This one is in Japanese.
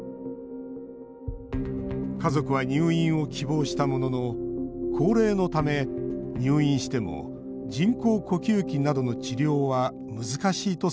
家族は入院を希望したものの高齢のため、入院しても人工呼吸器などの治療は難しいとされました。